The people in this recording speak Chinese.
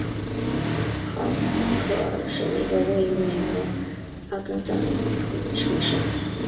哈斯克尔是一个位于美国阿肯色州萨林县的城市。